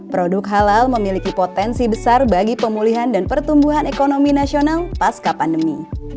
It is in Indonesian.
produk halal memiliki potensi besar bagi pemulihan dan pertumbuhan ekonomi nasional pasca pandemi